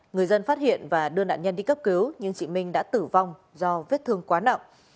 người dân phát hiện và đưa nạn nhân đi cấp cứu nhưng chị minh đã tử vong do vết thương quá nặng